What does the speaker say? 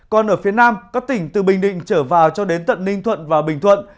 còn ở phía nam các tỉnh từ bình định trở vào cho đến tận ninh thuận và bình thuận